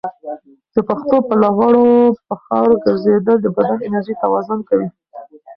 د پښو په لغړو په خاورو ګرځېدل د بدن انرژي توازن کوي.